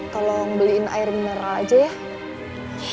tolong beliin air merah aja ya